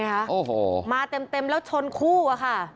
นี่ค่ะเป็นอย่างไรคะมาเต็มแล้วชนคู่ค่ะ